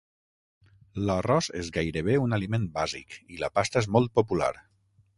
L'arròs és gairebé un aliment bàsic, i la pasta és molt popular.